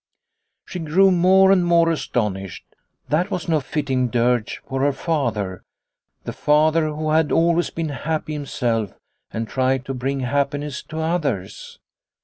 She grew more and more astonished. That was no fitting dirge for her father, the father who had always been happy himself and tried to bring happiness to others.